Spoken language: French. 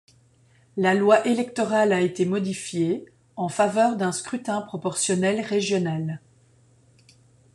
La loi électorale a été modifiée, en faveur d'un scrutin proportionnel régional.